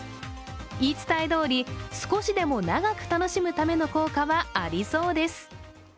言い伝え通り、少しでも長く楽しむための効果はありそうです。